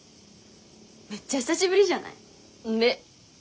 めっちゃ久しぶりじゃない？んね！